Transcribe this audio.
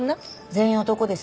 全員男です。